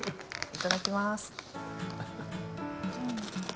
いただきます。